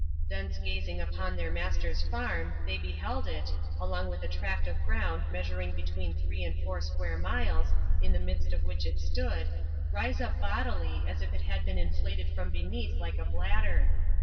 Thence gazing upon their master's farm they beheld it, along with a tract of ground measuring between three and four square miles, in the midst of which it stood, rise up bodily, as if it had been inflated from beneath like a bladder.